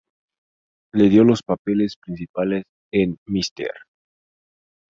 Le dio los papeles principales en "Mr.